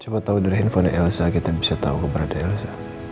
coba tau dari handphone elsa kita bisa tau keberadaan elsa